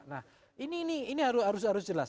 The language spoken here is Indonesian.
nah ini harus jelas